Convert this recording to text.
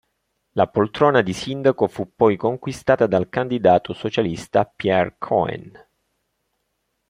La poltrona di sindaco fu poi conquistata dal candidato socialista Pierre Cohen.